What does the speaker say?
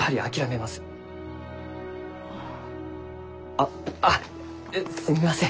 あっああすみません。